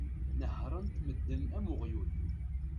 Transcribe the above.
Nehhren-t medden am uɣyul.